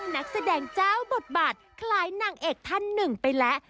นักแสดงเจ้าบทบาทคล้ายนางเอกท่านหนึ่งไปแล้ว